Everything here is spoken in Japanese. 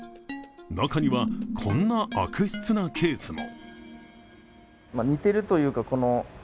中には、こんな悪質なケースも。